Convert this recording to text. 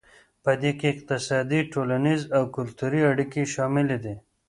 پدې کې اقتصادي ټولنیز او کلتوري اړیکې شاملې دي